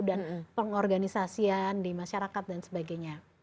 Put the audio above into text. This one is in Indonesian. dan pengorganisasian di masyarakat dan sebagainya